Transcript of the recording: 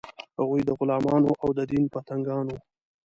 هغوی د غلمانو او د دین پتنګان وو.